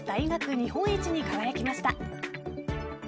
日本一に輝きました。